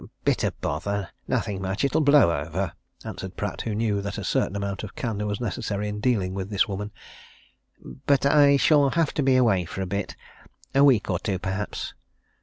"Bit of bother nothing much it'll blow over," answered Pratt, who knew that a certain amount of candour was necessary in dealing with this woman. "But I shall have to be away for a bit week or two, perhaps."